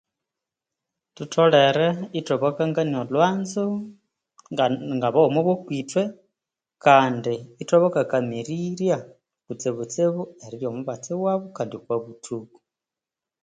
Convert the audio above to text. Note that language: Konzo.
Thutholere ithwabakangania olwanzo ngabaghuma abokwithwe kandi ithwabakakamirirya kutsibutsibu erirya omubatsi wabo Kandi okwabuthuku.